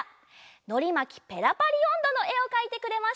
「のりまきペラパリおんど」のえをかいてくれました。